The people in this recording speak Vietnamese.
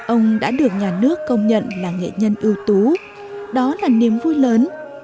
ông đã được nhà nước công nhận là nghệ nhân ưu tú đó là niềm vui lớn